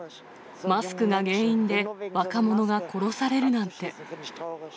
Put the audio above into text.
マスクが原因で若者が殺されるなんて。